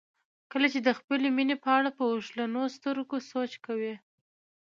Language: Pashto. کله چې د خپلې مینې په اړه په اوښلنو سترګو سوچ کوئ.